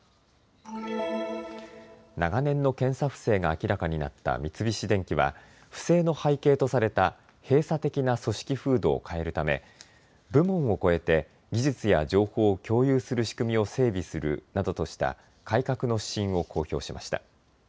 長年の検査不正が明らかになった三菱電機は不正の背景とされた閉鎖的な組織風土を変えるため部門を越えて技術や情報を共有する仕組みを整備するなどとした改革の指針を公表しました。